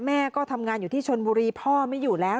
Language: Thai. แม่ก็ทำงานอยู่ที่ชนบุรีพ่อไม่อยู่แล้ว